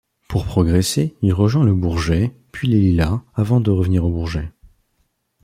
Pour progresser, il rejoint Le Bourget, puis Les Lilas, avant de revenir au Bourget.